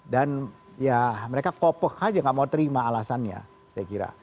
dan ya mereka kopeh saja tidak mau terima alasannya saya kira